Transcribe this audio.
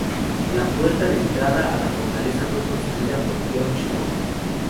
La puerta de entrada a la fortaleza fue construida por George Thomas.